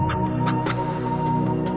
saya cuman belajar bagai adek adek